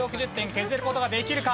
削る事ができるか？